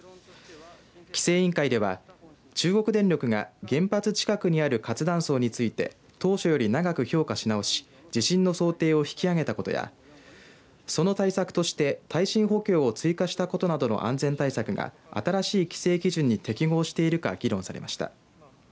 規制委員会では中国電力が原発近くにある活断層について当初より長く評価し直し地震の想定を引き上げたことやその対策として耐震補強を追加したことなどの安全対策が新しい規制基準に適合しているか議論されました。